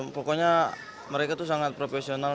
pokoknya mereka tuh sangat profesional